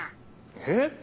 えっ？